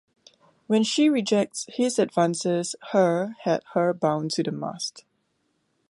When she rejects his advances her had her bound to the mast.